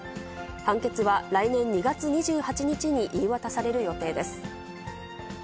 判決は来年２月２８日に言い渡される予定です。